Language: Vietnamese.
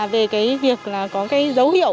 về việc có dấu hiệu